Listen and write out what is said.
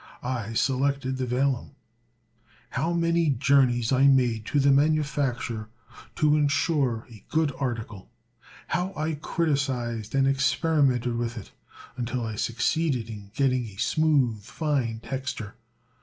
I selected the vellum. How many journeys I made to the manufacturer to insure a good article! How I criticised and experimented with it until I succeeded in getting a smooth, fine texture!